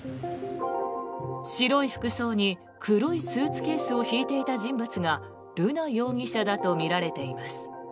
白い服装に黒いスーツケースを引いていた人物が瑠奈容疑者だとみられています。